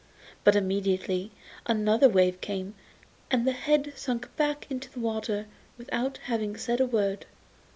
But immediately another wave came, and the head sank back into the water without having said a word.